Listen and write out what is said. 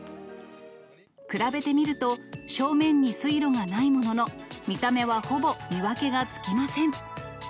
比べてみると、正面に水路がないものの、見た目はほぼ見分けがつきません。